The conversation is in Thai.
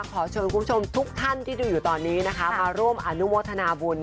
ขอเชิญคุณผู้ชมทุกท่านที่ดูอยู่ตอนนี้นะคะมาร่วมอนุโมทนาบุญ